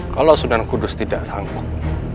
kalau sunan kudus tidak sanggup